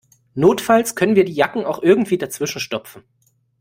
Notfalls können wir die Jacken auch irgendwie dazwischen stopfen.